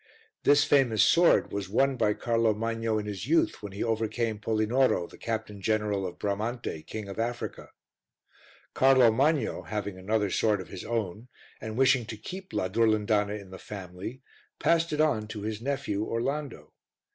This famous sword was won by Carlo Magno in his youth when he overcame Polinoro, the captain general of Bramante, King of Africa. Carlo Magno, having another sword of his own and wishing to keep la Durlindana in the family, passed it on to his nephew Orlando.